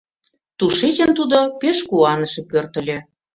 Тушечын тудо пеш куаныше пӧртыльӧ.